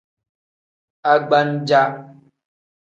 Agbaja.